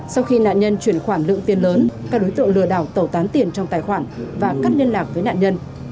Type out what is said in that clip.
sau khi nạn nhân chuyển khoản lượng tiền lớn các đối tượng lừa đảo tẩu tán tiền trong tài khoản và cắt liên lạc với nạn nhân